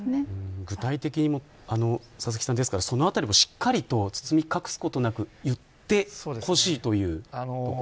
具体的に佐々木さんその辺りしっかりと包み隠すことなくしてほしいというところ。